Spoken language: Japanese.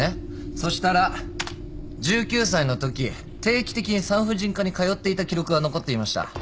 そしたら１９歳のとき定期的に産婦人科に通っていた記録が残っていました。